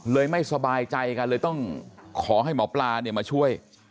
เลยไม่สบายใจกันเลยต้องขอให้หมอปลามาช่วย